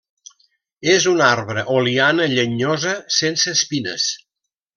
És un arbre o liana llenyosa sense espines.